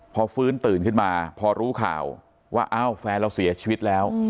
พอฟื้นตื่นขึ้นมาพอรู้ข่าวว่าอ้าวแฟนเราเสียชีวิตแล้ว